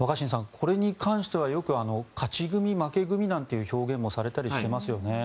若新さんこれに関してはよく勝ち組負け組なんていう表現もされていますよね。